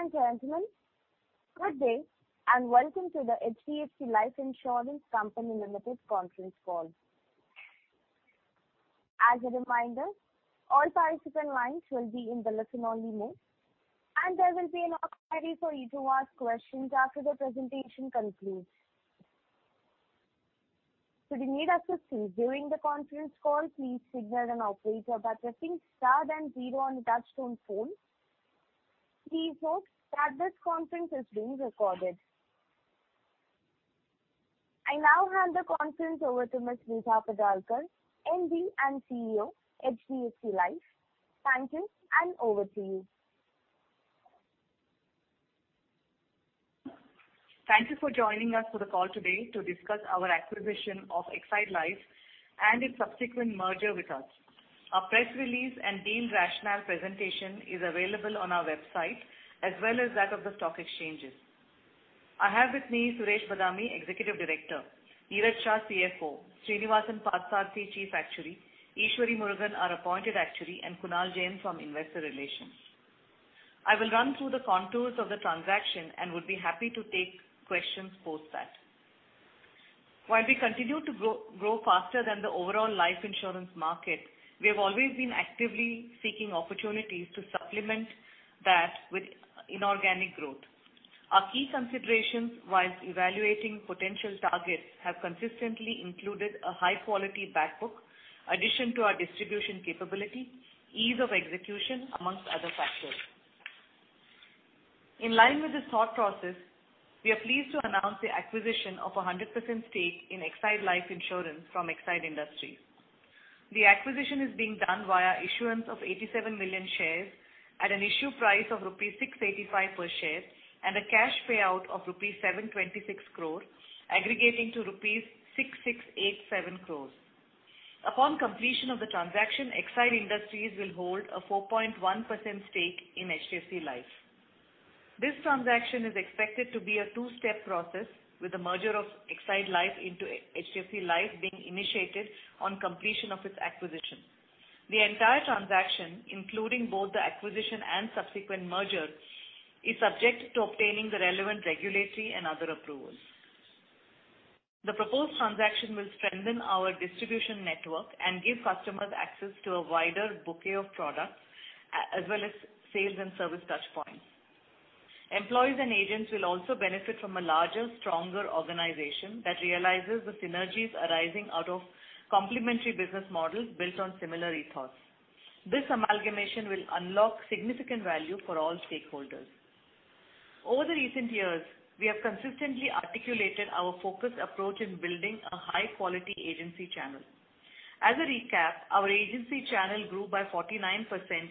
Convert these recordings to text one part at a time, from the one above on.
Ladies and gentlemen, good day and welcome to the HDFC Life Insurance Company Limited conference call. As a reminder, all participant lines will be in the listen-only mode, and there will be an opportunity for you to ask questions after the presentation concludes. Should you need assistance during the conference call, please signal an operator by pressing star and zero on your touch-tone phone. Please note that this conference is being recorded. I now hand the conference over to Ms. Vibha Padalkar, MD and CEO, HDFC Life. Thank you, and over to you. Thank you for joining us for the call today to discuss our acquisition of Exide Life and its subsequent merger with us. Our press release and deal rationale presentation is available on our website as well as that of the stock exchanges. I have with me Suresh Badami, Executive Director, Niraj Shah, CFO, Srinivasan Parthasarathy, Chief Actuary, Eshwari Murugan, our Appointed Actuary, and Kunal Jain from Investor Relations. I will run through the contours of the transaction and would be happy to take questions post that. While we continue to grow faster than the overall life insurance market, we have always been actively seeking opportunities to supplement that with inorganic growth. Our key considerations whilst evaluating potential targets have consistently included a high-quality back book, addition to our distribution capability, ease of execution, amongst other factors. In line with this thought process, we are pleased to announce the acquisition of a 100% stake in Exide Life Insurance from Exide Industries. The acquisition is being done via issuance of 87 million shares at an issue price of rupees 685 per share, and a cash payout of rupees 726 crores, aggregating to rupees 6,687 crores. Upon completion of the transaction, Exide Industries will hold a 4.1% stake in HDFC Life. This transaction is expected to be a two-step process with the merger of Exide Life into HDFC Life being initiated on completion of its acquisition. The entire transaction, including both the acquisition and subsequent merger, is subject to obtaining the relevant regulatory and other approvals. The proposed transaction will strengthen our distribution network and give customers access to a wider bouquet of products, as well as sales and service touchpoints. Employees and agents will also benefit from a larger, stronger organization that realizes the synergies arising out of complementary business models built on similar ethos. This amalgamation will unlock significant value for all stakeholders. Over the recent years, we have consistently articulated our focused approach in building a high-quality agency channel. As a recap, our agency channel grew by 49%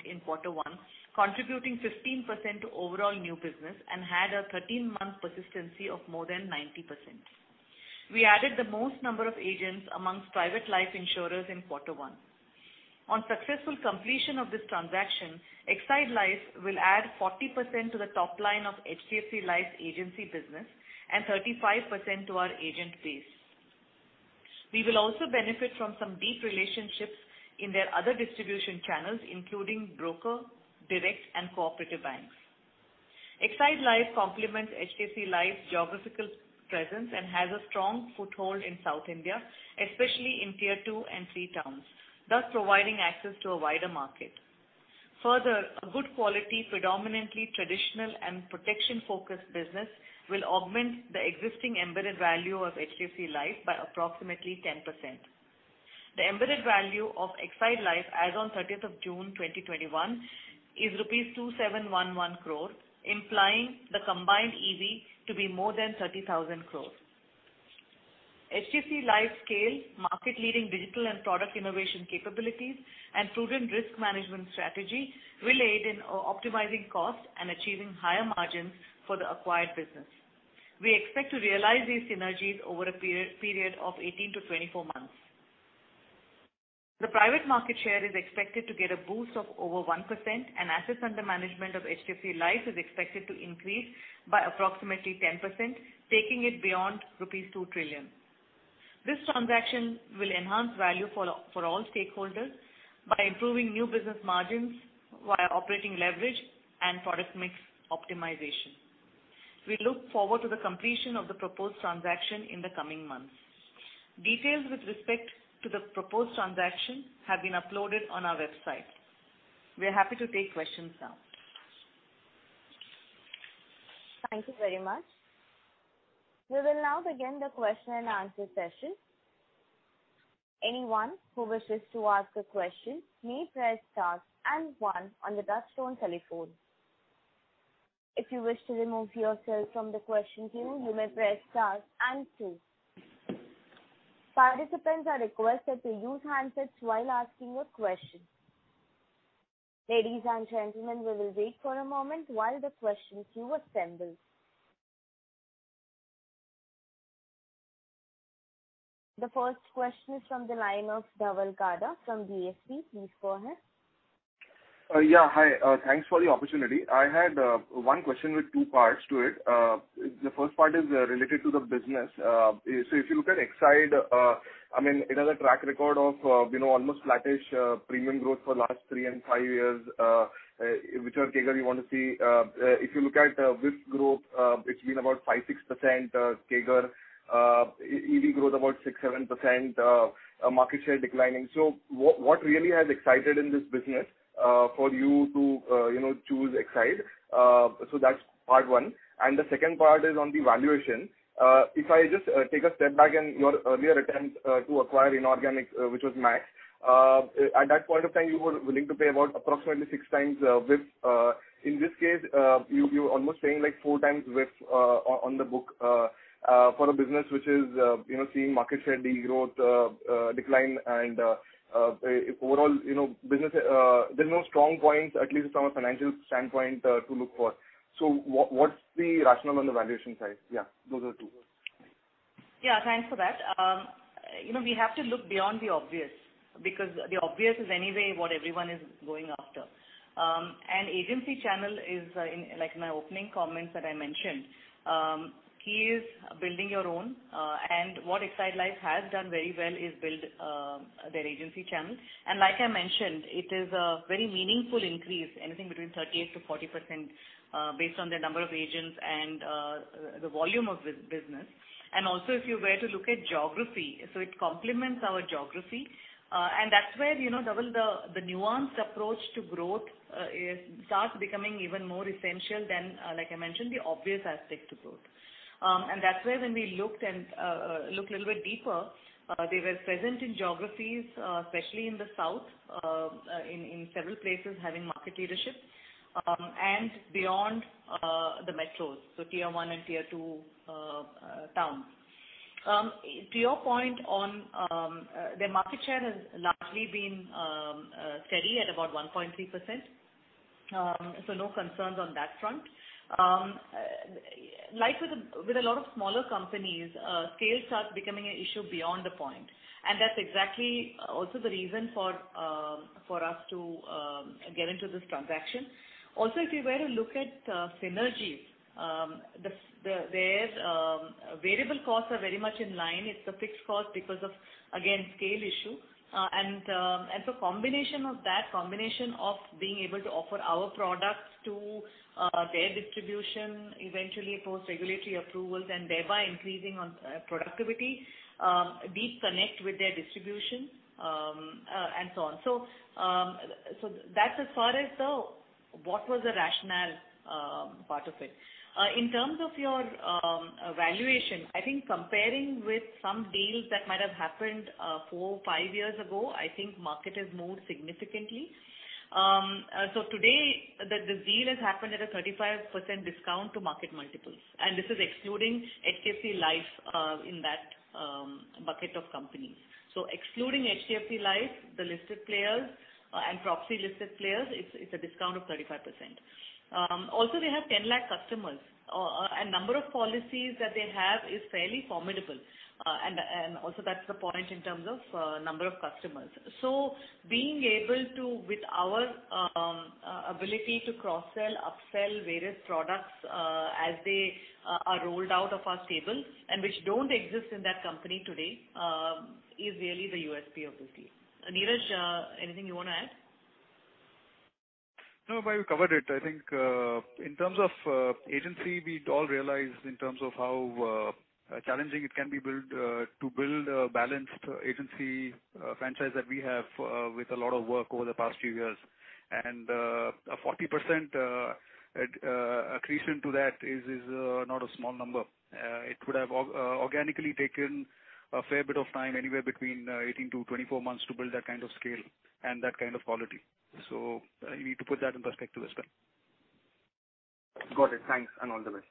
in quarter one, contributing 15% to overall new business and had a 13-month persistency of more than 90%. We added the most number of agents amongst private life insurers in quarter one. On successful completion of this transaction, Exide Life will add 40% to the top line of HDFC Life's agency business and 35% to our agent base. We will also benefit from some deep relationships in their other distribution channels, including broker, direct, and cooperative banks. Exide Life complements HDFC Life's geographical presence and has a strong foothold in South India, especially in tier 2 and 3 towns, thus providing access to a wider market. Further, a good quality, predominantly traditional and protection-focused business will augment the existing embedded value of HDFC Life by approximately 10%. The embedded value of Exide Life as on 30th of June 2021 is rupees 2,711 crores, implying the combined EV to be more than 30,000 crores. HDFC Life's scale, market-leading digital and product innovation capabilities, and prudent risk management strategy will aid in optimizing costs and achieving higher margins for the acquired business. We expect to realize these synergies over a period of 18-24 months. The private market share is expected to get a boost of over 1%, and assets under management of HDFC Life is expected to increase by approximately 10%, taking it beyond 2 trillion rupees. This transaction will enhance value for all stakeholders by improving new business margins via operating leverage and product mix optimization. We look forward to the completion of the proposed transaction in the coming months. Details with respect to the proposed transaction have been uploaded on our website. We are happy to take questions now. Thank you very much. We will now begin the question and answer session. Anyone who wishes to ask a question may press star and one on the touch-tone telephone. If you wish to remove yourself from the question queue, you may press star and two. Participants are requested to use handsets while asking a question. Ladies and gentlemen, we will wait for a moment while the question queue assembles. The first question is from the line of Dhaval Gada from DSP. Please go ahead. Hi. Thanks for the opportunity. I had one question with two parts to it. The first part is related to the business. If you look at Exide, it has a track record of almost flattish premium growth for the last three and five years, whichever CAGR you want to see. If you look at VIF growth, it's been about 5%-6% CAGR. EV growth about 6%-7%, market share declining. What really has excited in this business for you to choose Exide? That's part one. The second part is on the valuation. If I just take a step back and your earlier attempt to acquire inorganic, which was Max Life Insurance. At that point of time, you were willing to pay about approximately 6x VIF. In this case, you're almost saying like 4 times VIF on the book for a business which is seeing market share decline and overall, there are no strong points, at least from a financial standpoint to look for. What's the rationale on the valuation side? Yeah, those are the two. Yeah, thanks for that. We have to look beyond the obvious, because the obvious is anyway what everyone is going after. Agency channel is, like my opening comments that I mentioned, key is building your own. What Exide Life has done very well is build their agency channel. Like I mentioned, it is a very meaningful increase, anything between 38%-40% based on their number of agents and the volume of business. Also if you were to look at geography, it complements our geography. That's where, Dhaval, the nuanced approach to growth starts becoming even more essential than, like I mentioned, the obvious aspect to growth. That's where when we looked a little bit deeper, they were present in geographies, especially in the south, in several places having market leadership, and beyond the metros, tier 1 and tier 2 towns. To your point on their market share has largely been steady at about 1.3%. No concerns on that front. Like with a lot of smaller companies, scale starts becoming an issue beyond a point. That's exactly also the reason for us to get into this transaction. If you were to look at synergies, their variable costs are very much in line. It's a fixed cost because of, again, scale issue. Combination of that, combination of being able to offer our products to their distribution eventually post regulatory approvals and thereby increasing on productivity, deep connect with their distribution, and so on. That's as far as what was the rationale part of it. In terms of your valuation, I think comparing with some deals that might have happened four, five years ago, I think market has moved significantly. Today, the deal has happened at a 35% discount to market multiples. This is excluding HDFC Life in that bucket of companies. Excluding HDFC Life, the listed players and proxy listed players, it's a discount of 35%. They have 10 lakh customers. Number of policies that they have is fairly formidable. Also that's the point in terms of number of customers. Being able to, with our ability to cross-sell, up-sell various products as they are rolled out of our stable and which don't exist in that company today, is really the USP of this deal. Niraj, anything you want to add? No, Vibha, you covered it. I think in terms of agency, we all realize in terms of how challenging it can be to build a balanced agency franchise that we have with a lot of work over the past few years. A 40% accretion to that is not a small number. It would have organically taken a fair bit of time, anywhere between 18-24 months to build that kind of scale and that kind of quality. You need to put that in perspective as well. Got it. Thanks and all the best.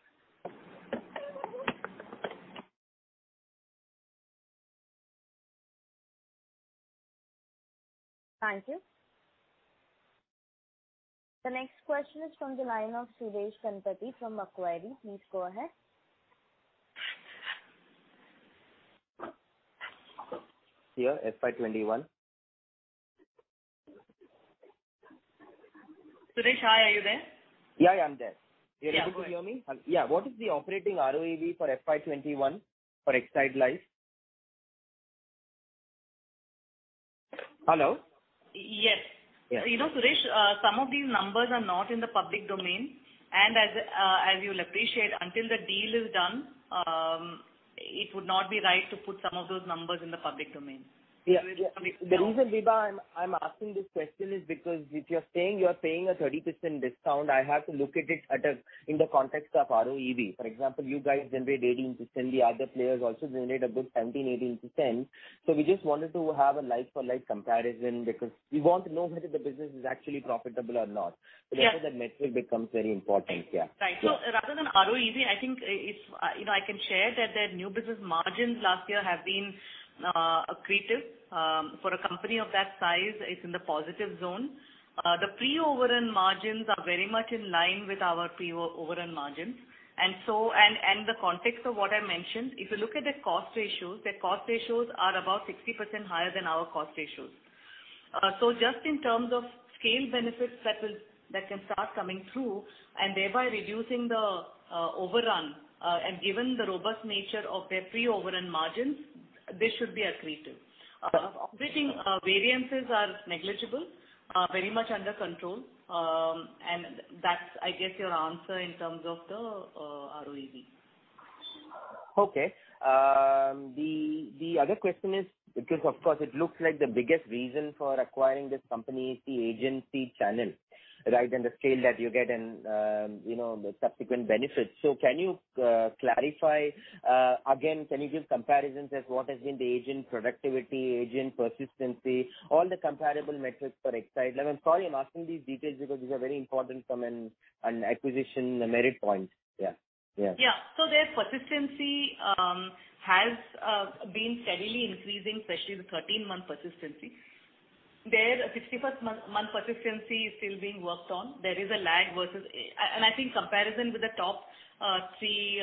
Thank you. The next question is from the line of Suresh Ganapathy from Macquarie. Please go ahead. Here, FY 2021. Suresh, hi. Are you there? Yeah, I'm there. You're able to hear me? Yeah, go ahead. Yeah. What is the operating ROEV for FY 2021 for Exide Life? Hello? Yes. Yes. Suresh, some of these numbers are not in the public domain. As you'll appreciate, until the deal is done, it would not be right to put some of those numbers in the public domain. Yeah. The reason, Vibha, I'm asking this question is because if you're saying you're paying a 30% discount, I have to look at it in the context of ROEV. For example, you guys generate 18%, the other players also generate a good 17%, 18%. We just wanted to have a like-for-like comparison because we want to know whether the business is actually profitable or not. Yeah. That's where the metric becomes very important. Yeah. Right. Rather than ROEV, I think I can share that their new business margins last year have been accretive. For a company of that size, it's in the positive zone. The pre-overrun margins are very much in line with our pre-overrun margins. The context of what I mentioned, if you look at their cost ratios, their cost ratios are about 60% higher than our cost ratios. Just in terms of scale benefits that can start coming through and thereby reducing the overrun. Given the robust nature of their pre-overrun margins, this should be accretive. We think variances are negligible, very much under control. That's, I guess, your answer in terms of the ROEV. Okay. The other question is, because, of course, it looks like the biggest reason for acquiring this company is the agency channel, right? And the scale that you get and the subsequent benefits. Can you clarify again, can you give comparisons as what has been the agent productivity, agent persistency, all the comparable metrics for Exide? I'm sorry I'm asking these details because these are very important from an acquisition merit point. Yeah. Yeah. Their persistency has been steadily increasing, especially the 13-month persistency. Their 51st month persistency is still being worked on. There is a lag versus I think comparison with the top three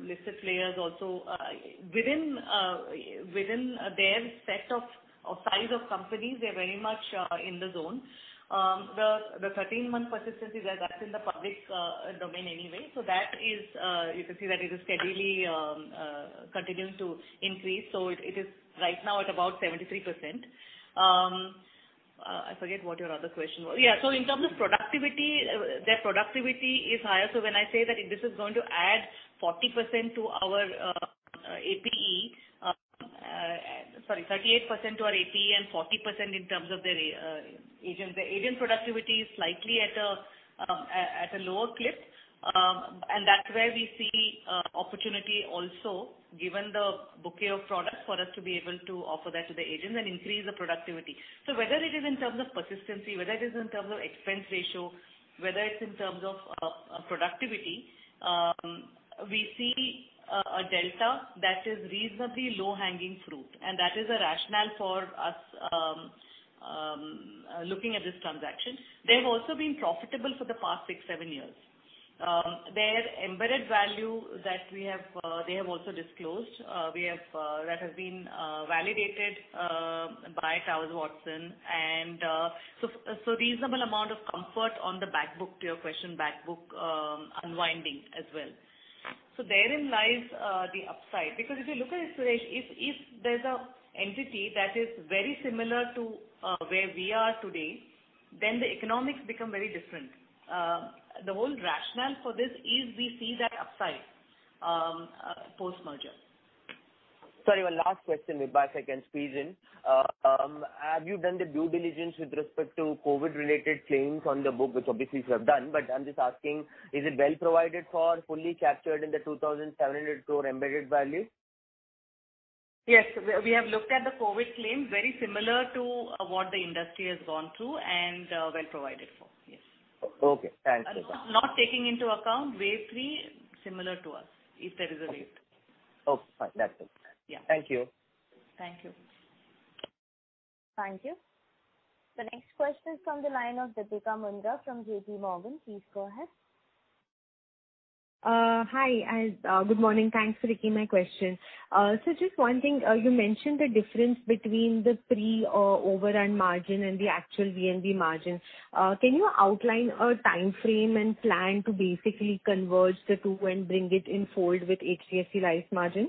listed players also. Within their set of size of companies, they're very much in the zone. The 13-month persistency, that's in the public domain anyway. That is, you can see that it is steadily continuing to increase. It is right now at about 73%. I forget what your other question was. Yeah. In terms of productivity, their productivity is higher. When I say that this is going to add 40% to our APE, sorry, 38% to our APE and 40% in terms of their agents. Their agent productivity is slightly at a lower clip. That's where we see opportunity also, given the bouquet of products for us to be able to offer that to the agents and increase the productivity. Whether it is in terms of persistency, whether it is in terms of expense ratio, whether it's in terms of productivity, we see a delta that is reasonably low-hanging fruit, and that is a rationale for us looking at this transaction. They've also been profitable for the past six, seven years. Their embedded value that they have also disclosed that has been validated by Towers Watson, and reasonable amount of comfort on the back book to your question, back book unwinding as well. Therein lies the upside. If you look at it, Suresh, if there's an entity that is very similar to where we are today, then the economics become very different. The whole rationale for this is we see that upside post-merger. Sorry, one last question, if I can squeeze in. Have you done the due diligence with respect to COVID related claims on the book? Which obviously you have done, but I'm just asking, is it well provided for, fully captured in the 2,700 crore embedded value? Yes. We have looked at the COVID claim, very similar to what the industry has gone through and well provided for. Yes. Okay. Thanks. Not taking into account wave three similar to us, if there is a wave three. Okay, fine. That's it. Yeah. Thank you. Thank you. Thank you. The next question is from the line of Deepika Mundra from JP Morgan. Please go ahead. Hi. Good morning. Thanks for taking my question. Just one thing. You mentioned the difference between the pre or overrun margin and the actual VNB margin. Can you outline a time frame and plan to basically converge the two and bring it in fold with HDFC Life margin?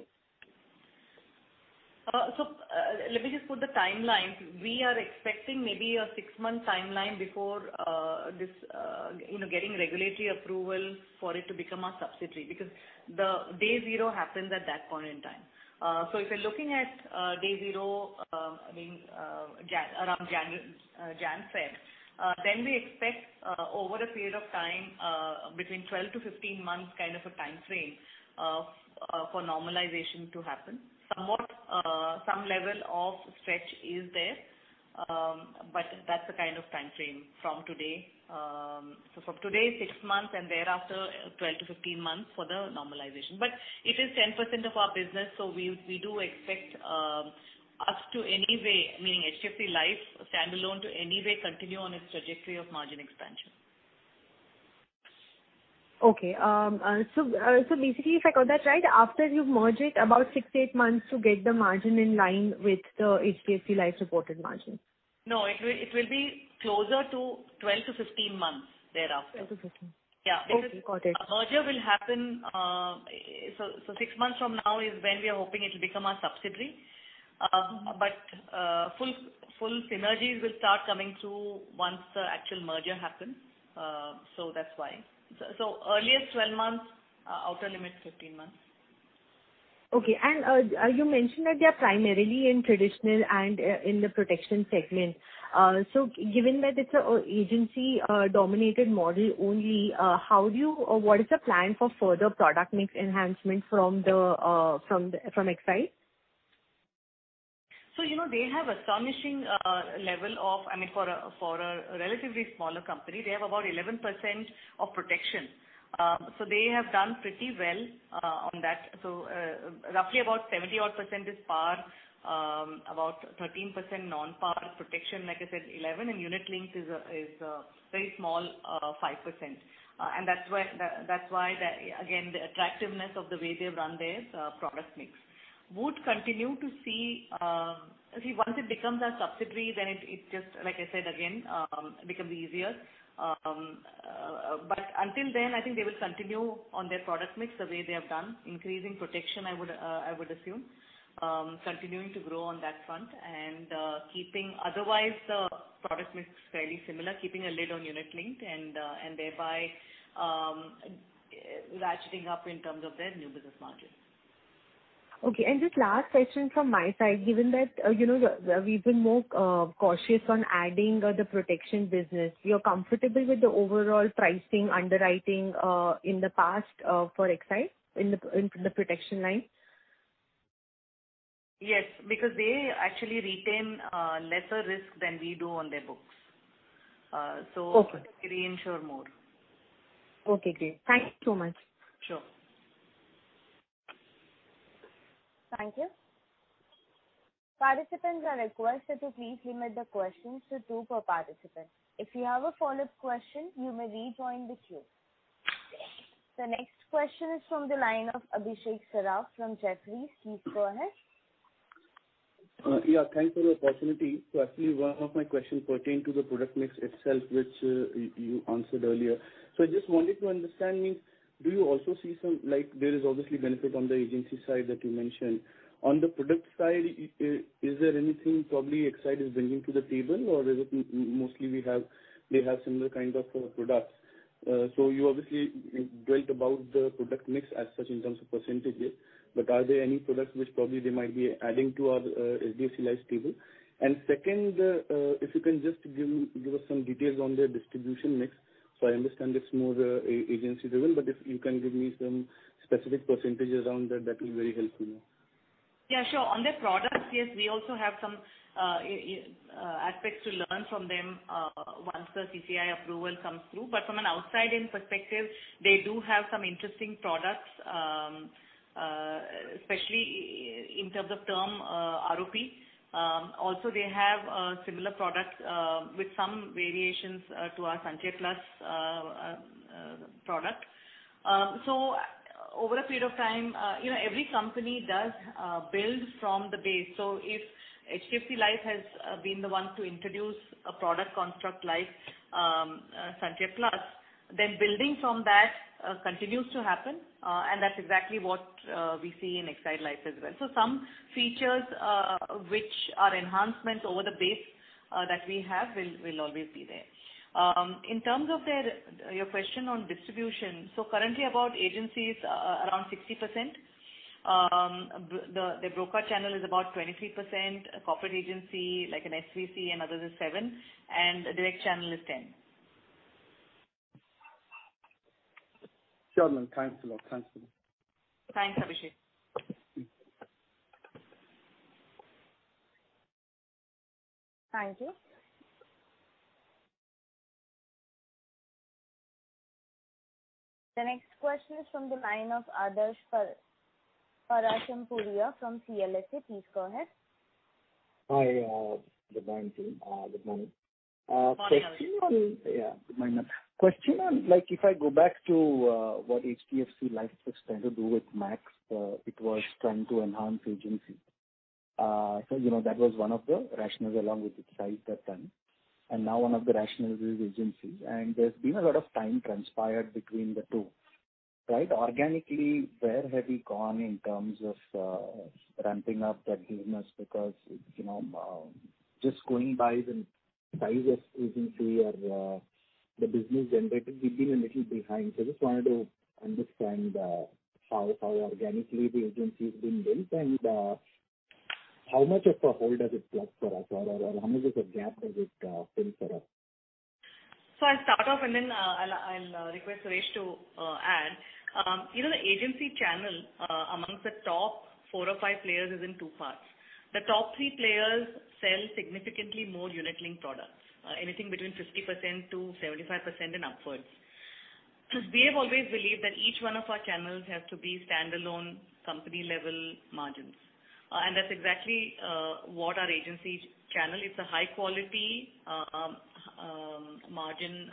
Let me just put the timeline. We are expecting maybe a six-month timeline before getting regulatory approval for it to become our subsidiary because the day zero happens at that point in time. If you're looking at day zero, around January 1st, we expect over a period of time between 12-15 months kind of a time frame for normalization to happen. Somewhat some level of stretch is there. That's the kind of time frame from today. From today, six months, and thereafter 12-15 months for the normalization. It is 10% of our business, we do expect us to anyway, meaning HDFC Life standalone to anyway continue on its trajectory of margin expansion. Okay. Basically if I got that right, after you merge it, about 6-8 months to get the margin in line with the HDFC Life reported margin. No, it will be closer to 12-15 months thereafter. Okay. Got it. Yeah. Merger will happen six months from now is when we are hoping it'll become our subsidiary. Full synergies will start coming through once the actual merger happens. That's why. Earliest 12 months, outer limit is 15 months. Okay. You mentioned that they're primarily in traditional and in the protection segment. Given that it's an agency dominated model only, what is the plan for further product mix enhancement from Exide? They have astonishing level of, I mean, for a relatively smaller company, they have about 11% of protection. They have done pretty well on that. Roughly about 70 odd percent is par, about 13% non-par protection, like I said, 11%, and Unit Linked is very small, 5%. That's why, again, the attractiveness of the way they've run their product mix. Would continue to see. Once it becomes our subsidiary, it just, like I said again, becomes easier. Until then, I think they will continue on their product mix the way they have done, increasing protection, I would assume. Continuing to grow on that front and otherwise the product mix is fairly similar, keeping a lid on Unit Linked and thereby ratcheting up in terms of their new business margins. Okay. Just last question from my side, given that we've been more cautious on adding the protection business, you're comfortable with the overall pricing underwriting in the past for Exide in the protection line? Yes, because they actually retain lesser risk than we do on their books. Okay. They reinsure more. Okay, great. Thank you so much. Sure. Thank you. Participants are requested to please limit the questions to 2 per participant. If you have a follow-up question, you may rejoin the queue. The next question is from the line of Abhishek Saraf from Jefferies. Please go ahead. Yeah, thanks for the opportunity. Actually, 1 of my questions pertained to the product mix itself, which you answered earlier. I just wanted to understand, there is obviously benefit on the agency side that you mentioned. On the product side, is there anything probably Exide is bringing to the table? Is it mostly they have similar kind of products. You obviously dwelt about the product mix as such in terms of percentages, but are there any products which probably they might be adding to HDFC Life's table? Second, if you can just give us some details on their distribution mix. I understand it's more agency-driven, but if you can give me some specific percentages around that will be very helpful. Yeah, sure. On their products, yes, we also have some aspects to learn from them once the CCI approval comes through. From an outside-in perspective, they do have some interesting products, especially in terms of Term ROP. Also, they have similar products with some variations to our Sanchay Plus product. Over a period of time, every company does build from the base. If HDFC Life has been the 1 to introduce a product construct like Sanchay Plus, then building from that continues to happen. That's exactly what we see in Exide Life as well. Some features which are enhancements over the base that we have will always be there. In terms of your question on distribution. Currently about agencies, around 60%, the broker channel is about 23%, corporate agency like an SVC and others is 7%, and the direct channel is 10%. Sure, ma'am. Thanks a lot. Thanks, Abhishek. Thank you. The next question is from the line of Adarsh Parasrampuria from CLSA. Please go ahead. Hi. Good morning team. Good morning. Morning. Yeah. Good morning, ma'am. Question on, if I go back to what HDFC Life was trying to do with Max, it was trying to enhance agency. That was one of the rationales along with the size at that time. Now one of the rationales is agency, and there's been a lot of time transpired between the two. Right. Organically, where have we gone in terms of ramping up that business because, just going by the size of agency or the business generated, we've been a little behind. Just wanted to understand how organically the agency is being built and how much of a hole does it plug for us or how much of a gap does it fill for us? I'll start off and then I'll request Suresh to add. The agency channel amongst the top four or five players is in two parts. The top three players sell significantly more Unit Linked products, anything between 50%-75% and upwards. We have always believed that each one of our channels has to be standalone company level margins. That's exactly what our agency channel is, a high quality margin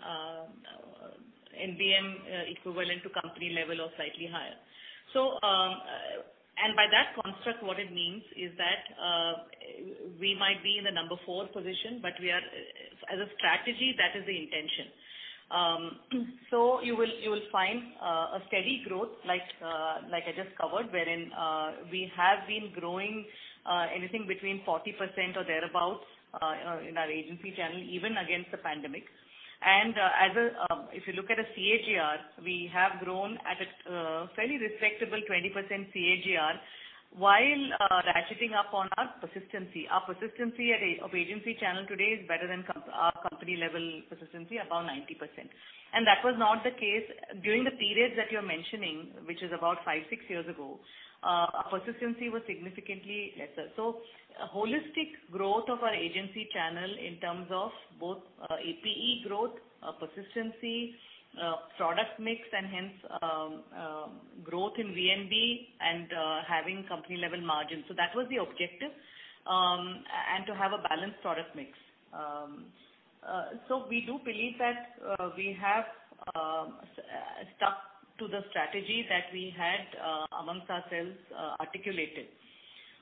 NBM equivalent to company level or slightly higher. By that construct, what it means is that we might be in the number 4 position, but as a strategy, that is the intention. You will find a steady growth like I just covered, wherein we have been growing anything between 40% or thereabout in our agency channel, even against the pandemic. If you look at a CAGR, we have grown at a fairly respectable 20% CAGR while ratcheting up on our persistency. Our persistency of agency channel today is better than our company level persistency above 90%. That was not the case during the period that you're mentioning, which is about five, six years ago. Our persistency was significantly lesser. A holistic growth of our agency channel in terms of both APE growth, persistency, product mix and hence growth in VNB and having company level margins. That was the objective, and to have a balanced product mix.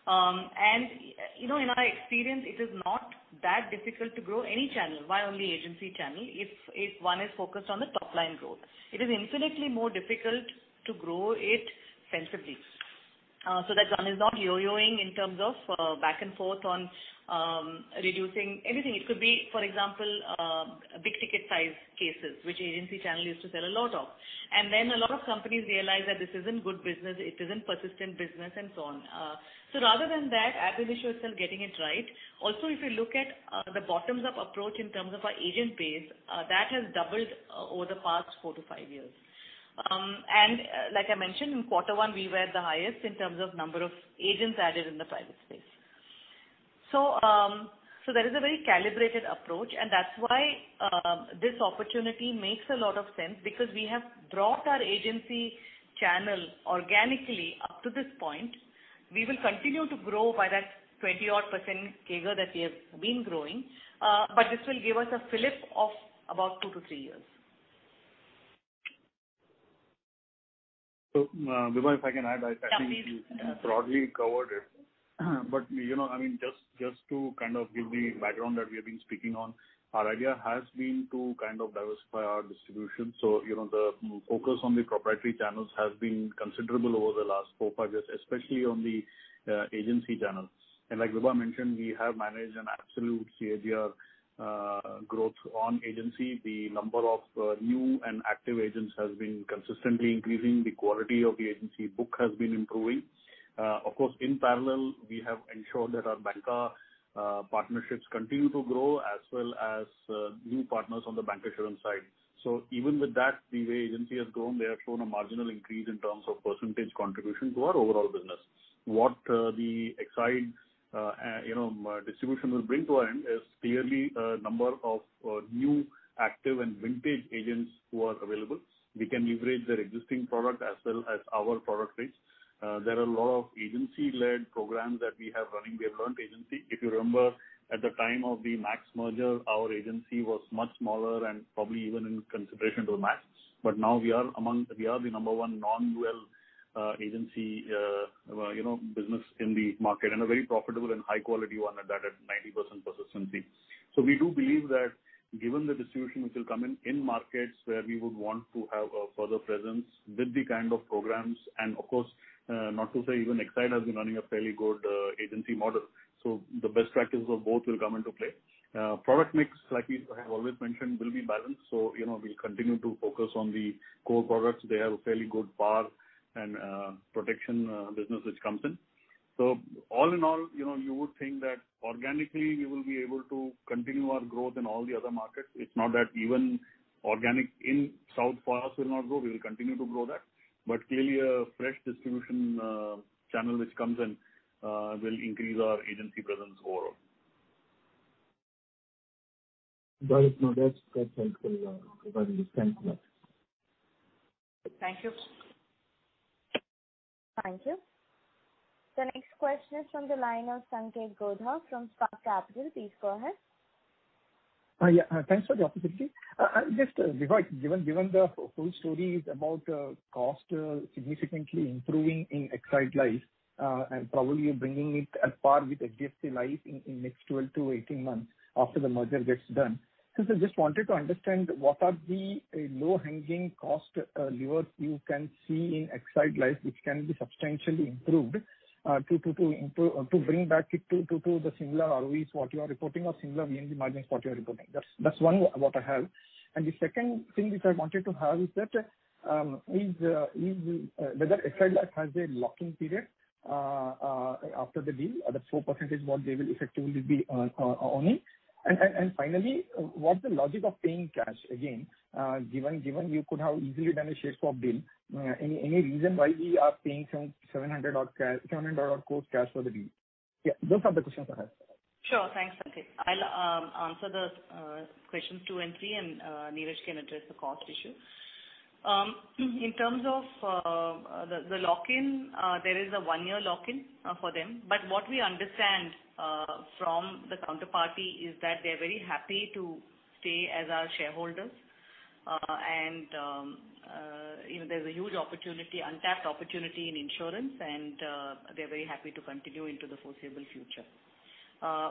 In our experience, it is not that difficult to grow any channel, why only agency channel, if one is focused on the top-line growth. It is infinitely more difficult to grow it sensibly so that one is not yo-yoing in terms of back and forth on reducing anything. It could be, for example, big ticket size cases, which agency channel used to sell a lot of. Then a lot of companies realized that this isn't good business, it isn't persistent business, and so on. Rather than that, I've been issuing still getting it right. Also, if you look at the bottoms-up approach in terms of our agent base, that has doubled over the past four to five years. Like I mentioned, in quarter one, we were the highest in terms of number of agents added in the private space. There is a very calibrated approach, and that's why this opportunity makes a lot of sense because we have brought our agency channel organically up to this point. We will continue to grow by that 20-odd percent CAGR that we have been growing. This will give us a fillip of about two to three years. Vibha, if I can add, I think you broadly covered it. Just to give the background that we have been speaking on, our idea has been to diversify our distribution. The focus on the proprietary channels has been considerable over the last four, five years, especially on the agency channels. Like Vibha mentioned, we have managed an absolute CAGR growth on agency. The number of new and active agents has been consistently increasing. The quality of the agency book has been improving. Of course, in parallel, we have ensured that our banker partnerships continue to grow, as well as new partners on the bancassurance side. Even with that, the way agency has grown, they have shown a marginal increase in terms of % contribution to our overall business. What the Exide distribution will bring to our end is clearly a number of new active and vintage agents who are available. We can leverage their existing product as well as our product base. There are a lot of agency-led programs that we have running. We have learned agency. If you remember, at the time of the Max merger, our agency was much smaller and probably even in consideration to Max. Now we are the number one non-UL agency business in the market, and a very profitable and high quality one at that, at 90% persistency. We do believe that given the distribution which will come in in markets where we would want to have a further presence with the kind of programs and of course, not to say even Exide has been running a fairly good agency model. The best practice of both will come into play. Product mix, like we have always mentioned, will be balanced. We'll continue to focus on the core products. They have a fairly good par and protection business which comes in. All in all, you would think that organically we will be able to continue our growth in all the other markets. It's not that even organic in south for us will not grow. We will continue to grow that. Clearly a fresh distribution channel which comes in will increase our agency presence overall. That's helpful. Okay. Thank you so much. Thank you. Thank you. The next question is from the line of Sanketh Godha from Spark Capital. Please go ahead. Yeah. Thanks for the opportunity. Just, Vibha, given the whole story is about cost significantly improving in Exide Life and probably bringing it at par with HDFC Life in next 12 to 18 months after the merger gets done. Since I just wanted to understand what are the low-hanging cost levers you can see in Exide Life which can be substantially improved to bring back to the similar ROEs what you are reporting or similar VNB margins what you are reporting. That's one what I have. The second thing which I wanted to have is that whether Exide Life has a locking period after the deal, the 4% what they will effectively be owning. Finally, what's the logic of paying cash again given you could have easily done a share swap deal. Any reason why we are paying 700 of gross cash for the deal? Yeah, those are the questions I have. Sure. Thanks, Sanketh. I'll answer the questions two and three, and Niraj can address the cost issue. In terms of the lock-in, there is a one-year lock-in for them. What we understand from the counterparty is that they're very happy to stay as our shareholder. There's a huge untapped opportunity in insurance, and they're very happy to continue into the foreseeable future.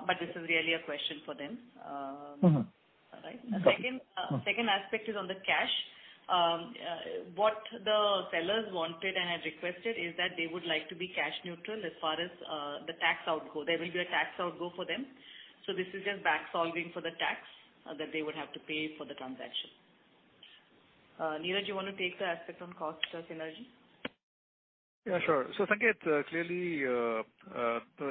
This is really a question for them. All right. The second aspect is on the cash. What the sellers wanted and had requested is that they would like to be cash neutral as far as the tax outgo. There will be a tax outgo for them. This is just back solving for the tax that they would have to pay for the transaction. Niraj, you want to take the aspect on cost synergy? Yeah, sure. Sanketh, clearly,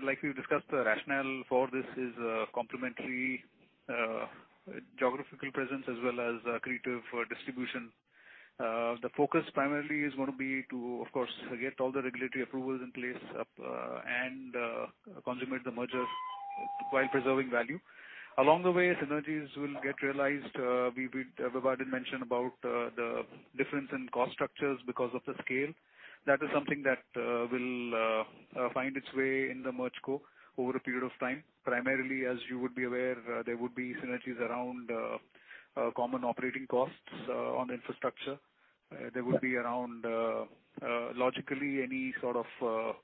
like we've discussed, the rationale for this is complementary geographical presence as well as accretive distribution. The focus primarily is going to be to, of course, get all the regulatory approvals in place and consummate the merger while preserving value. Along the way, synergies will get realized. Vibha did mention about the difference in cost structures because of the scale. That is something that will find its way in the merged co over a period of time. Primarily, as you would be aware, there would be synergies around common operating costs on infrastructure There would be around, logically any sort of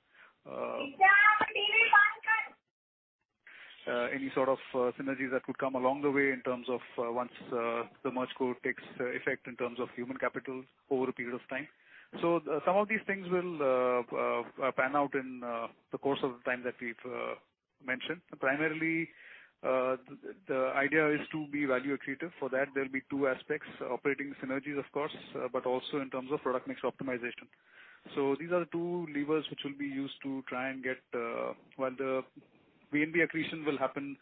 synergies that would come along the way in terms of once the merged co takes effect in terms of human capital over a period of time. Some of these things will pan out in the course of the time that we've mentioned. Primarily, the idea is to be value accretive. For that, there'll be two aspects, operating synergies of course, but also in terms of product mix optimization. These are the two levers which will be used to try and get while the VNB accretion will happen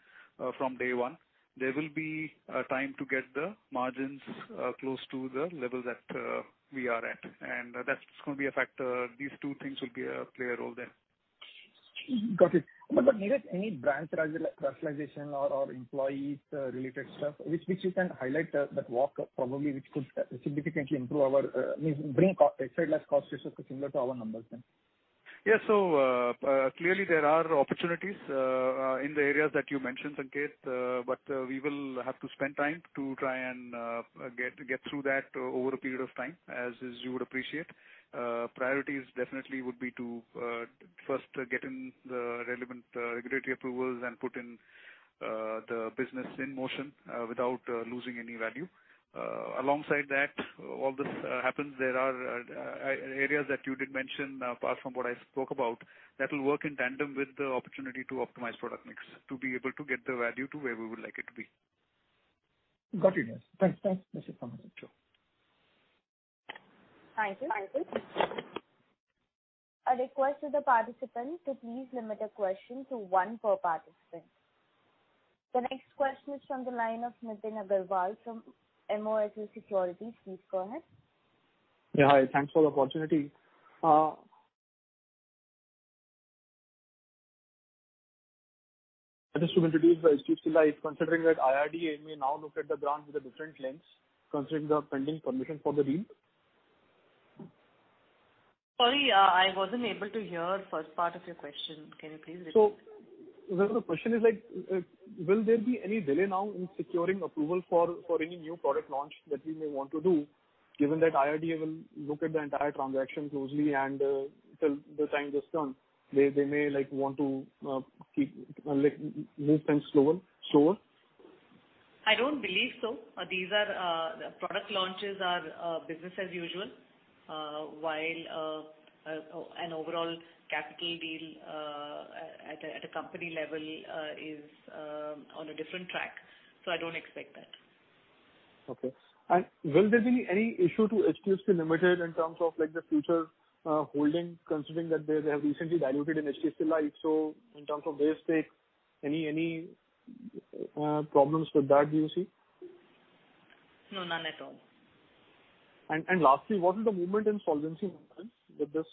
from day one. There will be a time to get the margins close to the level that we are at. That's going to be a factor. These two things will play a role there. Got it. Niraj, any branch rationalization or employees related stuff, which you can highlight that would probably significantly improve our surplus cost ratio similar to our numbers then. Yes. Clearly there are opportunities in the areas that you mentioned, Sanketh, but we will have to spend time to try and get through that over a period of time, as you would appreciate. Priorities definitely would be to first get in the relevant regulatory approvals and put in the business in motion without losing any value. Alongside that, all this happens, there are areas that you did mention apart from what I spoke about, that will work in tandem with the opportunity to optimize product mix, to be able to get the value to where we would like it to be. Got it. Thanks. That's it from my side. Thank you. A request to the participants to please limit a question to one per participant. The next question is from the line of Nitin Aggarwal from Motilal Oswal Securities Ltd. Please go ahead. Yeah. Hi. Thanks for the opportunity. Just to introduce HDFC Life considering that IRDA may now look at the brand with a different lens considering the pending permission for the deal. Sorry, I wasn't able to hear first part of your question. Can you please repeat? The question is, will there be any delay now in securing approval for any new product launch that we may want to do given that IRDA will look at the entire transaction closely and till the time this done, they may want to move things slower? I don't believe so. Product launches are business as usual while an overall capital deal at a company level is on a different track, so I don't expect that. Okay. Will there be any issue to HDFC Limited in terms of the future holding considering that they have recently diluted in HDFC Life? In terms of their stake, any problems with that do you see? No, none at all. Lastly, what is the movement in solvency maintenance with this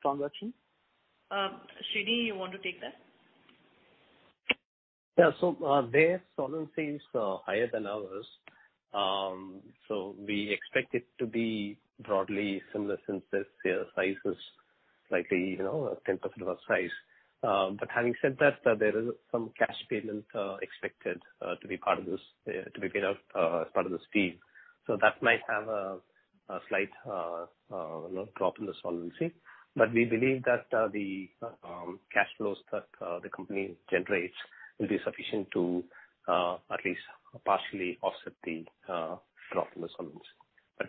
transaction? Srini, you want to take that? Their solvency is higher than ours. We expect it to be broadly similar since their size is likely 10% of our size. Having said that, there is some cash payment expected to be paid out as part of this fee. That might have a slight drop in the solvency. We believe that the cash flows that the company generates will be sufficient to at least partially offset the drop in the solvency.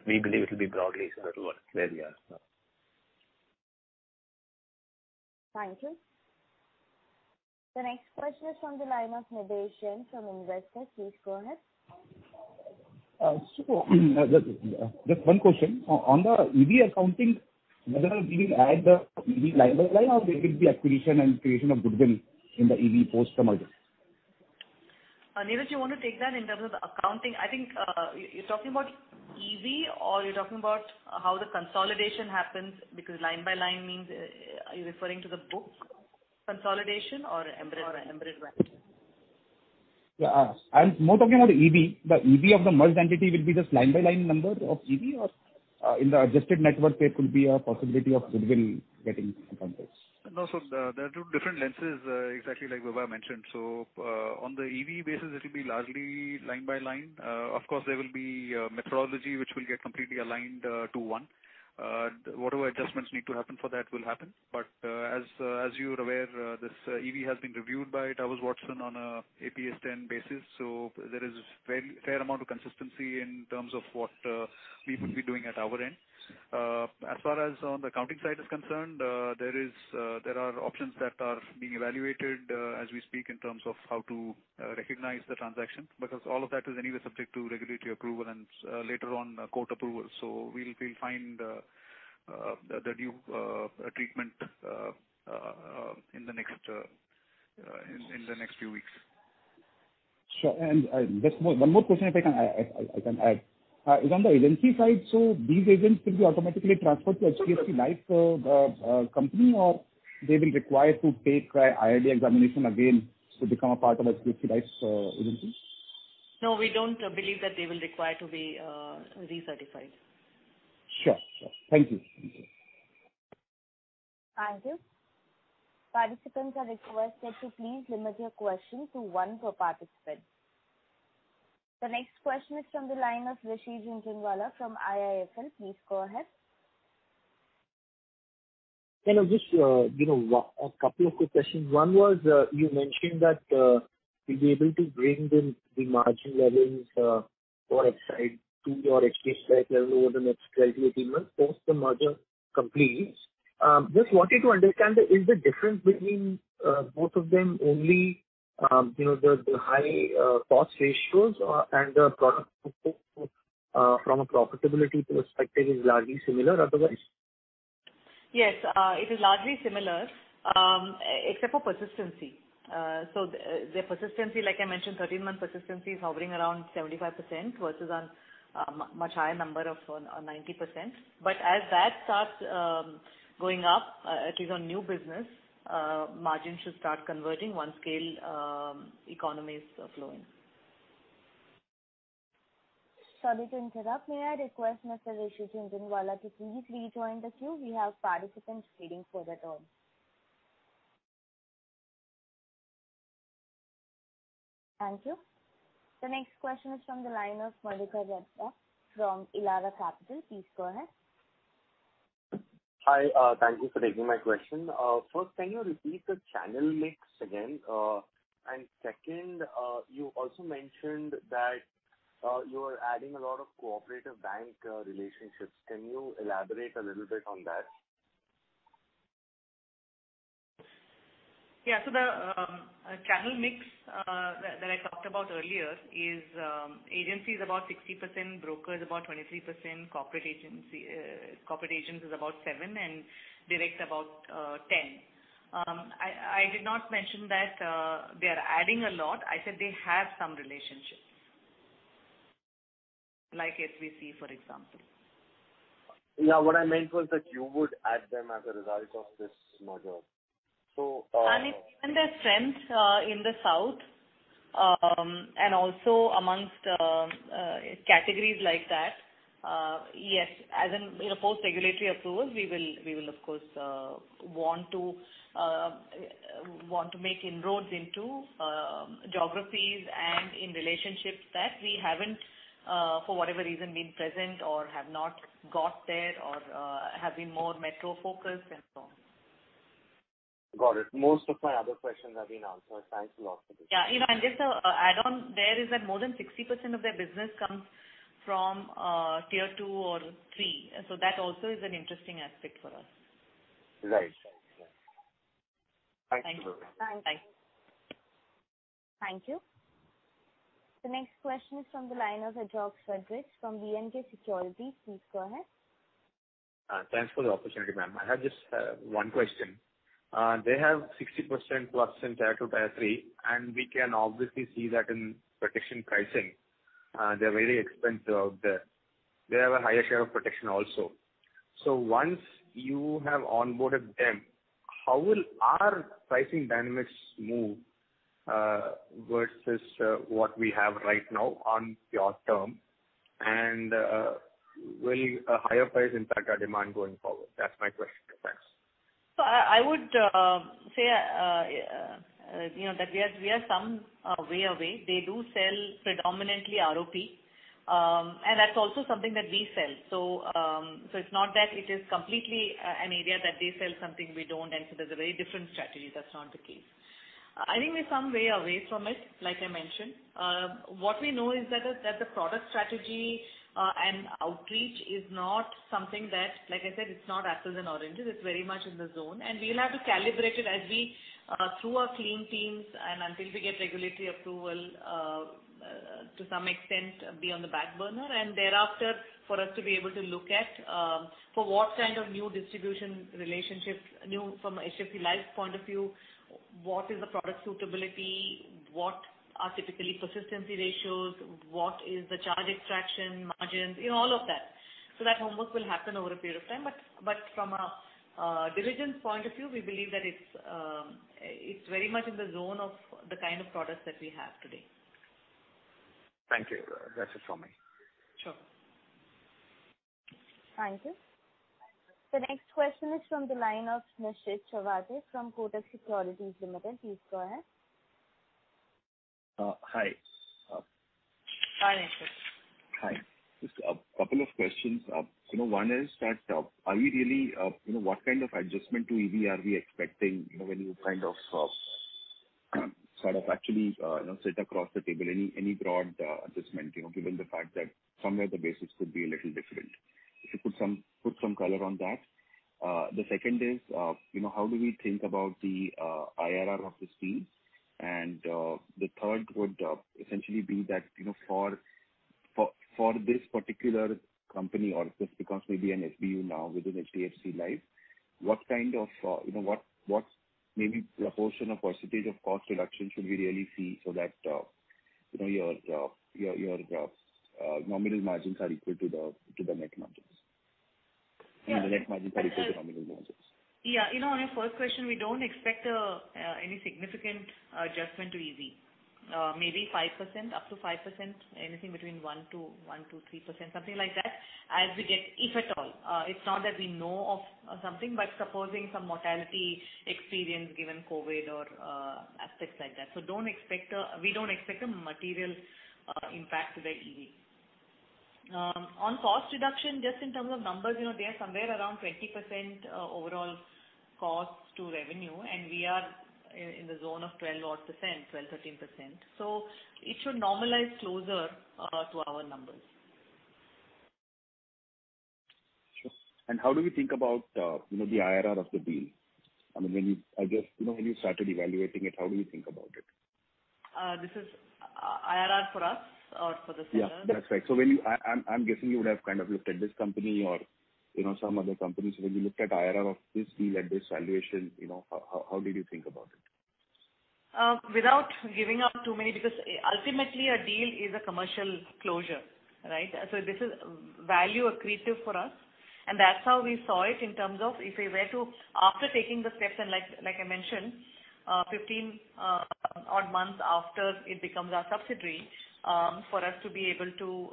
We believe it will be broadly similar to what it is now. Thank you. The next question is from the line of Nidesh Shen from Investor. Please go ahead. Just one question. On the EV accounting, whether we will add the EV line by line or there will be acquisition and creation of goodwill in the EV post-merger. Neeraj, you want to take that in terms of the accounting? I think you are talking about EV or you are talking about how the consolidation happens because line by line means are you referring to the book consolidation or embedded line? Yeah. I'm more talking about EV. The EV of the merged entity will be just line by line number of EV or in the adjusted network there could be a possibility of goodwill getting accomplished. No. There are two different lenses exactly like Vibha mentioned. On the EV basis, it'll be largely line by line. Of course, there will be methodology which will get completely aligned to one. Whatever adjustments need to happen for that will happen. As you're aware, this EV has been reviewed by Towers Watson on a APS 10 basis. There is fair amount of consistency in terms of what we would be doing at our end. As far as on the accounting side is concerned, there are options that are being evaluated as we speak in terms of how to recognize the transaction because all of that is anyway subject to regulatory approval and later on court approval. We'll find the due treatment in the next few weeks. Sure. Just one more question, if I can add. Is on the agency side, these agents will be automatically transferred to HDFC Life company or they will require to take IRDA examination again to become a part of HDFC Life's agency? No, we don't believe that they will require to be recertified. Sure. Thank you. Thank you. Participants are requested to please limit your questions to one per participant. The next question is from the line of Rishi Jhunjhunwala from IIFL. Please go ahead. Just a couple of quick questions. One was, you mentioned that you'll be able to bring the margin levels for Exide to your Exide Life level over the next 12-18 months once the merger completes. Just wanted to understand, is the difference between both of them only the high cost ratios and the product from a profitability perspective is largely similar otherwise? Yes. It is largely similar, except for persistency. Their persistency, like I mentioned, 13-month persistency is hovering around 75% versus a much higher number of 90%. As that starts going up, at least on new business, margins should start converting once scale economies flow in. Sorry to interrupt. May I request Mr. Rishi Jhunjhunwala to please rejoin the queue. We have participants waiting for their turn. Thank you. The next question is from the line of Mallika Jadhav from Elara Capital. Please go ahead. Hi. Thank you for taking my question. First, can you repeat the channel mix again? Second, you also mentioned that you are adding a lot of cooperative bank relationships. Can you elaborate a little bit on that? Yeah. The channel mix that I talked about earlier is agencies about 60%, brokers about 23%, corporate agents is about seven, and direct about 10. I did not mention that they are adding a lot. I said they have some relationships, like SVC, for example. Yeah, what I meant was that you would add them as a result of this merger. It's given their strength in the South and also amongst categories like that. Yes, post regulatory approval, we will of course want to make inroads into geographies and in relationships that we haven't, for whatever reason, been present or have not got there or have been more metro-focused and so on. Got it. Most of my other questions have been answered. Thanks a lot for this. Just to add on there is that more than 60% of their business comes from tier 2 or 3. That also is an interesting aspect for us. Right. Thanks. Thanks. Thank you. The next question is from the line of Ashok Frederick from VNK Securities. Please go ahead. Thanks for the opportunity, ma'am. I have just one question. They have 60%+ in tier 2, tier 3, and we can obviously see that in protection pricing. They're very expensive out there. They have a higher share of protection also. Once you have onboarded them, how will our pricing dynamics move versus what we have right now on your term? Will a higher price impact our demand going forward? That's my question. Thanks. I would say that we are some way away. They do sell predominantly ROP and that's also something that we sell. It's not that it is completely an area that they sell something we don't and there's a very different strategy. That's not the case. I think we're some way away from it, like I mentioned. What we know is that the product strategy and outreach is not something that, like I said, it's not apples and oranges. It's very much in the zone, and we'll have to calibrate it through our clean teams and until we get regulatory approval to some extent be on the back burner. Thereafter for us to be able to look at for what kind of new distribution relationships, from a HDFC Life point of view, what is the product suitability, what are typically persistency ratios, what is the charge extraction margins, all of that. That homework will happen over a period of time. From a diligence point of view, we believe that it's very much in the zone of the kind of products that we have today. Thank you. That's it from me. Sure. Thank you. The next question is from the line of Nischint Chawathe from Kotak Securities Limited. Please go ahead. Hi. Hi, Nischint. Hi. Just a couple of questions. One is that, what kind of adjustment to EV are we expecting when you sort of actually sit across the table? Any broad adjustment given the fact that somewhere the basis could be a little different. If you put some color on that. The second is, how do we think about the IRR of this deal? The third would essentially be that for this particular company or if this becomes maybe an SBU now within HDFC Life, what maybe proportion or % of cost reduction should we really see so that your nominal margins are equal to the net margins? I mean the net margin are equal to nominal margins. Yeah. On your first question, we don't expect any significant adjustment to EV. Maybe 5%, up to 5%, anything between 1% to 3%, something like that, as we get, if at all. It's not that we know of something, but supposing some mortality experience given COVID or aspects like that. We don't expect a material impact to the EV. On cost reduction, just in terms of numbers, they are somewhere around 20% overall cost to revenue, and we are in the zone of 12%-odd%, 12%-13%. It should normalize closer to our numbers. Sure. How do we think about the IRR of the deal? I guess when you started evaluating it, how do you think about it? This is IRR for us or for the seller? Yeah, that's right. I'm guessing you would have looked at this company or some other companies. When you looked at IRR of this deal at this valuation, how did you think about it? Without giving out too many because ultimately a deal is a commercial closure, right? This is value accretive for us, and that's how we saw it in terms of if we were to, after taking the steps and like I mentioned, 15-odd months after it becomes our subsidiary for us to be able to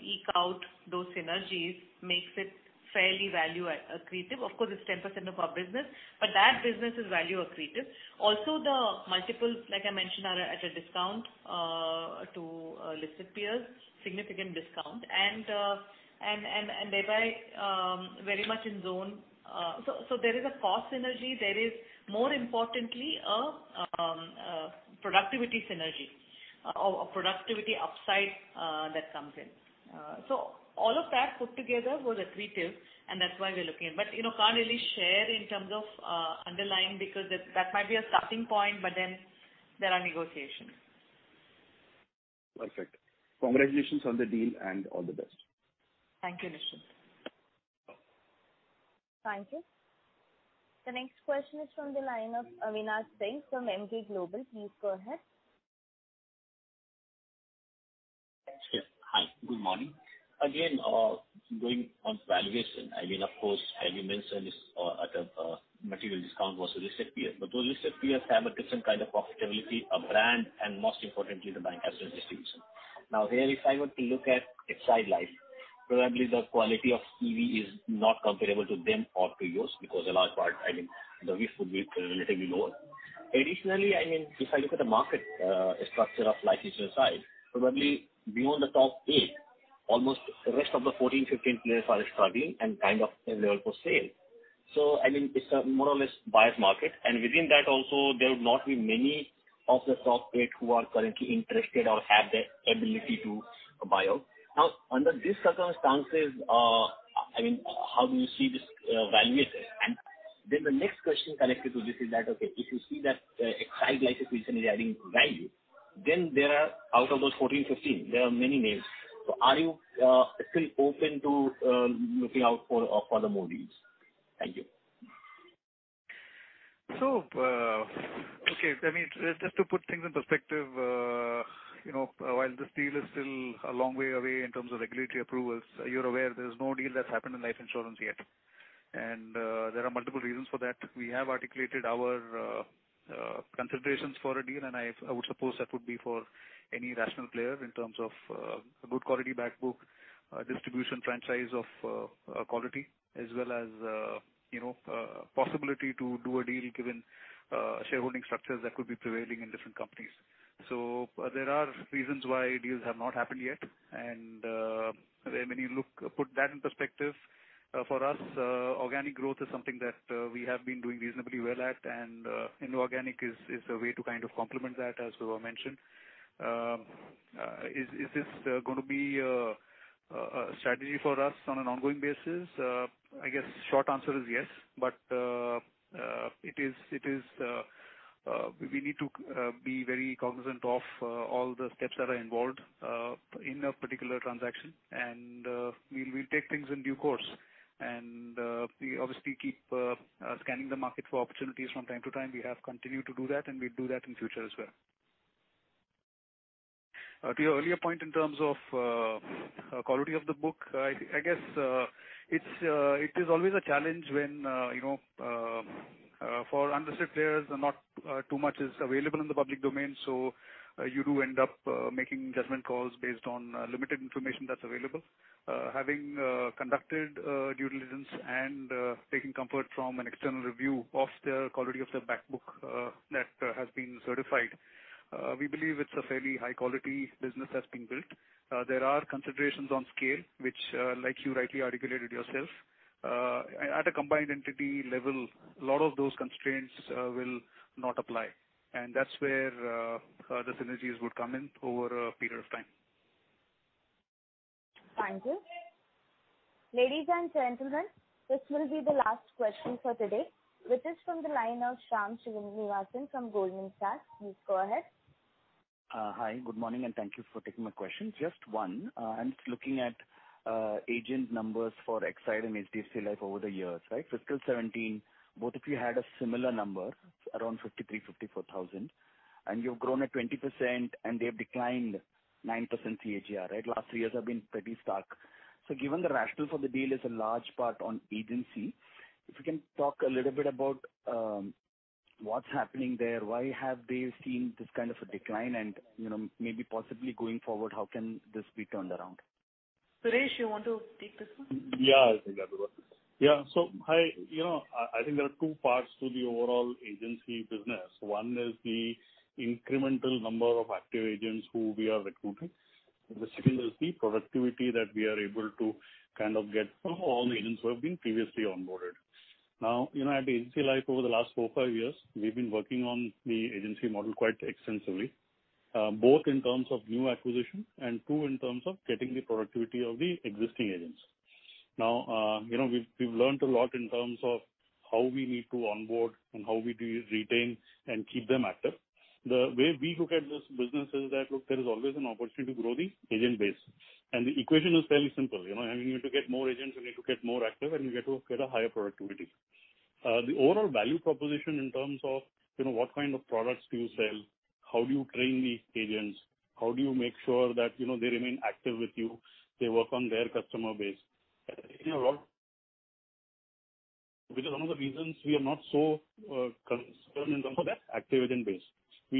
eke out those synergies makes it fairly value accretive. Of course, it's 10% of our business. That business is value accretive. Also the multiples, like I mentioned, are at a discount to listed peers, significant discount. Thereby very much in zone. There is a cost synergy. There is more importantly a productivity synergy or a productivity upside that comes in. All of that put together was accretive, and that's why we're looking. Can't really share in terms of underlying because that might be a starting point, but then there are negotiations. Perfect. Congratulations on the deal and all the best. Thank you, Nischint. Thank you. The next question is from the line of Avinash Singh from Emkay Global. Please go ahead. Yes. Hi, good morning. Again, going on valuation. Of course, as you mentioned, it's at a material discount versus listed peers, but those listed peers have a different kind of profitability, a brand, and most importantly, the bank as a distribution. There, if I were to look at Exide Life, probably the quality of EV is not comparable to them or to yours because a large part, the risk would be relatively lower. Additionally, if I look at the market structure of life insurance side, probably beyond the top eight, almost the rest of the 14, 15 players are struggling and kind of available for sale. It's a more or less buyers' market, and within that also, there'll not be many of the top eight who are currently interested or have the ability to buy out. Under these circumstances, how do you see this valuation? The next question connected to this is that, okay, if you see that Exide Life Insurance is adding value, then out of those 14, 15, there are many names. Are you still open to looking out for further more deals? Thank you. Okay. Just to put things in perspective, while this deal is still a long way away in terms of regulatory approvals, you're aware there's no deal that's happened in life insurance yet. There are multiple reasons for that. We have articulated our considerations for a deal, and I would suppose that would be for any rational player in terms of a good quality back book, distribution franchise of quality, as well as possibility to do a deal given shareholding structures that could be prevailing in different companies. There are reasons why deals have not happened yet. When you put that in perspective, for us, organic growth is something that we have been doing reasonably well at, and inorganic is a way to kind of complement that, as Suvra mentioned. Is this going to be a strategy for us on an ongoing basis? I guess short answer is yes. We need to be very cognizant of all the steps that are involved in a particular transaction. We'll take things in due course. We obviously keep scanning the market for opportunities from time to time. We have continued to do that, and we'll do that in future as well. To your earlier point in terms of quality of the book, I guess it is always a challenge when for underserved players, not too much is available in the public domain. You do end up making judgment calls based on limited information that's available. Having conducted due diligence and taking comfort from an external review of the quality of the back book that has been certified, we believe it's a fairly high-quality business that's been built. There are considerations on scale, which, like you rightly articulated yourself, at a combined entity level, a lot of those constraints will not apply. That's where the synergies would come in over a period of time. Thank you. Ladies and gentlemen, this will be the last question for today, which is from the line of Shyam Srinivasan from Goldman Sachs. Please go ahead. Hi, good morning, and thank you for taking my question. Just one. I'm looking at agent numbers for Exide and HDFC Life over the years, right? Fiscal 2017, both of you had a similar number, around 53,000, 54,000, and you've grown at 20%, and they've declined 9% CAGR, right? Last three years have been pretty stark. Given the rationale for the deal is a large part on agency If you can talk a little bit about what's happening there, why have they seen this kind of a decline and maybe possibly going forward, how can this be turned around? Suresh, you want to take this one? Yeah. I think that will work. Yeah. I think there are two parts to the overall agency business. One is the incremental number of active agents who we are recruiting. The second is the productivity that we are able to get from all the agents who have been previously onboarded. At HDFC Life over the last four, five years, we've been working on the agency model quite extensively, both in terms of new acquisition and two, in terms of getting the productivity of the existing agents. We've learned a lot in terms of how we need to onboard and how we do retain and keep them active. The way we look at this business is that look, there is always an opportunity to grow the agent base. The equation is fairly simple. I mean, you need to get more agents who need to get more active and you get to get a higher productivity. The overall value proposition in terms of what kind of products do you sell, how do you train these agents, how do you make sure that they remain active with you, they work on their customer base. Which is one of the reasons we are not so concerned in terms of that active agent base. We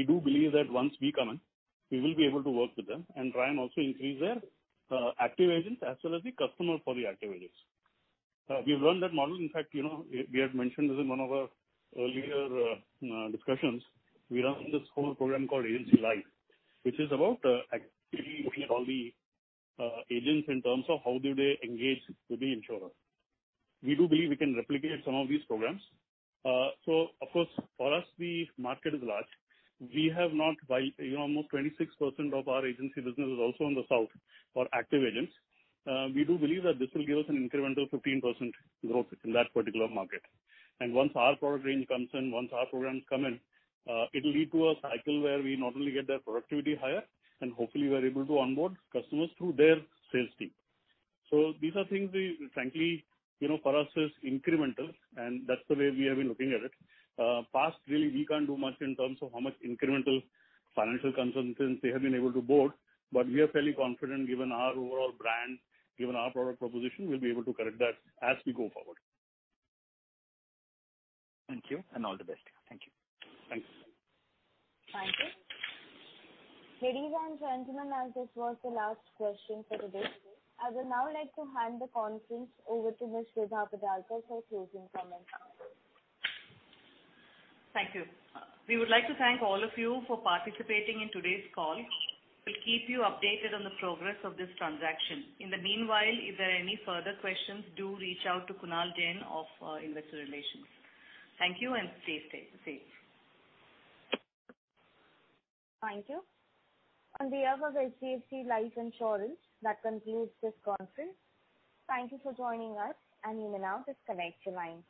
do believe that once we come in, we will be able to work with them and try and also increase their active agents as well as the customer for the active agents. We've run that model. In fact, we had mentioned this in one of our earlier discussions. We run this whole program called Agency Life, which is about actively looking at all the agents in terms of how do they engage with the insurer. We do believe we can replicate some of these programs. Of course, for us, the market is large. While almost 26% of our agency business is also in the South for active agents, we do believe that this will give us an incremental 15% growth in that particular market. Once our product range comes in, once our programs come in, it'll lead to a cycle where we not only get their productivity higher and hopefully we're able to onboard customers through their sales team. These are things we frankly, for us is incremental, and that's the way we have been looking at it. Past really, we can't do much in terms of how much incremental financial consultants they have been able to board, but we are fairly confident given our overall brand, given our product proposition, we'll be able to correct that as we go forward. Thank you and all the best. Thank you. Thanks. Thank you. Ladies and gentlemen, as this was the last question for today, I would now like to hand the conference over to Ms. Vibha Padalkar for closing comments. Thank you. We would like to thank all of you for participating in today's call. We'll keep you updated on the progress of this transaction. In the meanwhile, if there are any further questions, do reach out to Kunal Jain of Investor Relations. Thank you and stay safe. Thank you. On behalf of HDFC Life Insurance, that concludes this conference. Thank you for joining us, and you may now disconnect your lines.